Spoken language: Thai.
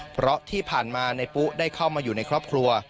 เพราะที่ผ่านมานายปุ๊ได้เข้ามาอยู่ในครอบครัว